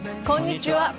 こんにちは。